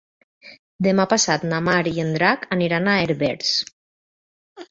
Demà passat na Mar i en Drac aniran a Herbers.